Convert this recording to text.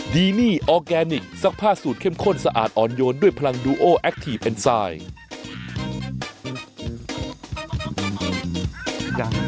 ดีนี่ออร์แกนิคซักผ้าสูตรเข้มข้นสะอาดอ่อนโยนด้วยพลังดูโอแอคทีฟเอ็นไซด์